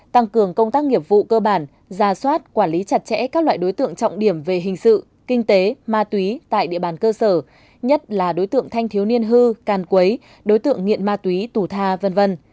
tăng cường công tác nghiệp vụ cơ bản ra soát quản lý chặt chẽ các loại đối tượng trọng điểm về hình sự kinh tế ma túy tại địa bàn cơ sở nhất là đối tượng thanh thiếu niên hư can quấy đối tượng nghiện ma túy tù tha v v